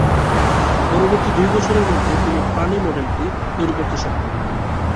পরবর্তী দুই বছরের মধ্যে তিনি "প্রাণী মডেলটি" তৈরি করতে সক্ষম হন।